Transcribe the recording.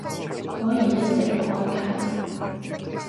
可以一直開啟